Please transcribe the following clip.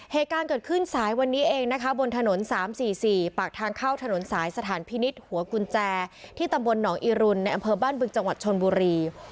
เหตุการณ์เกิดขึ้นสายวันนี้เองนะคะบนถนน๓๔๔ปากทางเข้าถนนสายสถานพินิษฐ์หัวกุญแจที่ตำบลหนองอีรุนในอำเภอบ้านบึงจังหวัดชนบุรี